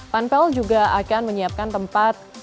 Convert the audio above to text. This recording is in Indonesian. panpel juga akan menyiapkan tempat